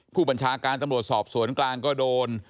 ผู้บัญชาการตำรวจสอบสวนกลางก็โดน